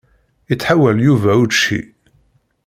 Ittḥawal Yuba učči.